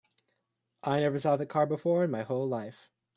I never saw that car before in my whole life.